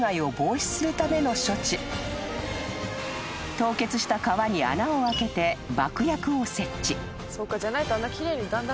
［凍結した川に穴を開けて爆薬を設置］